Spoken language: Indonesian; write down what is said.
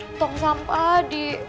di tong sampah di